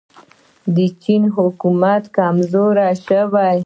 د چین حکومت کمزوری شو.